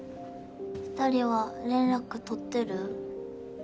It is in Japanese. ２人は連絡取ってる？